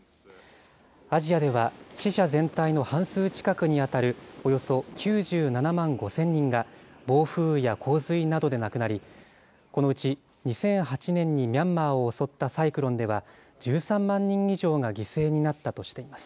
アジアでは、死者全体の半数近くに当たるおよそ９７万５０００人が暴風雨や洪水などで亡くなり、このうち２００８年にミャンマーを襲ったサイクロンでは、１３万人以上が犠牲になったとしています。